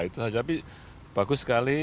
tapi bagus sekali